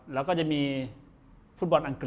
เราก็มีฟุตบอลอังกฤษ